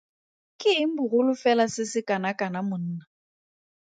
Ke eng bogolo fela se se kanakana monna.